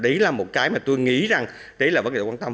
đấy là một cái mà tôi nghĩ rằng đấy là vấn đề quan tâm